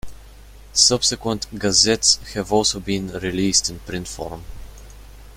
Subsequent "Gazettes" have also been released in print form.